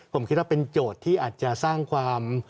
ผมคิดว่าเป็นโจทย์ที่อาจจะสร้างความ